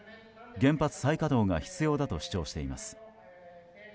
原発再稼働が必要だと主張しています。